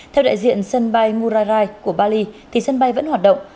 theo đại diện sân bay murarai của bali thì sân bay vẫn hoạt động